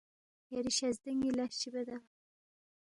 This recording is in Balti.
یری شزدے ن٘ی لس چی بیدا؟